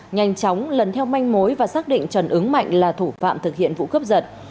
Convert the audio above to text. nhanh chóng lần theo manh mối và xác định trần ứng mạnh là thủ phạm thực hiện vụ cướp giật